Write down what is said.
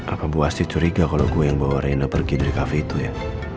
apa bu asri curiga kalau gue yang bawa reyna pergi dari cafe itu ya